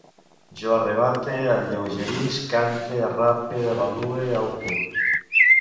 Jo arravate, alleugerisc, cante, arrape, avalue, aüque